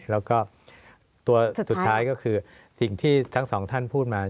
แล้วก็ตัวสุดท้ายก็คือสิ่งที่ทั้งสองท่านพูดมา